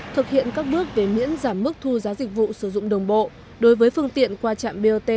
thực hiện các bước về miễn giảm mức thu giá dịch vụ sử dụng đồng bộ đối với phương tiện qua trạm bot